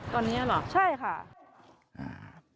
ตอนนี้เหรอใช่ค่ะใช่ค่ะ